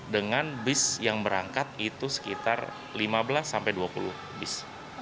dengan bus yang berangkat itu sekitar lima belas dua puluh bus